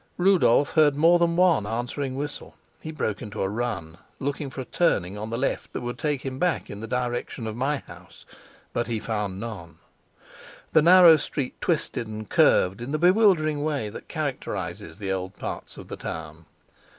Rudolf heard more than one answering whistle; he broke into a run, looking for a turning on the left that would take him back into the direction of my house, but he found none. The narrow street twisted and curved in the bewildering way that characterizes the old parts of the town.